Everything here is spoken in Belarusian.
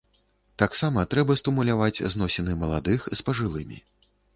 Таксама трэба стымуляваць зносіны маладых з пажылымі.